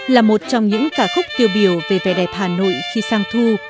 là một trong những ca khúc tiêu biểu về vẻ đẹp hà nội khi sang thu